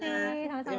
terima kasih sama sama